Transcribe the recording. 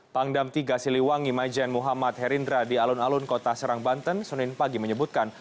pangdam tiga siliwangi mayor jenderal tni muhammad herendra di alun alun kota serang banten sunin pagi menyebutkan